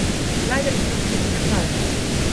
Leider ist das ist nicht der Fall.